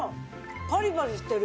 パリパリしてる。